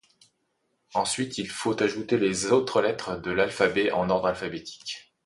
Ensuite, il faut ajouter les autres lettres de l’alphabet en ordre alphabétique.